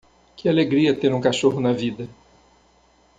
Que alegria ter um cachorro na vida?